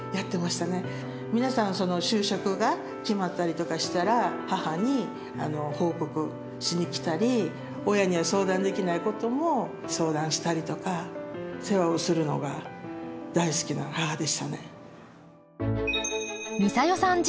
皆さん就職が決まったりとかしたら母に報告しに来たり親には相談できないことも相談したりとか世話をするのが大好きな母でしたね。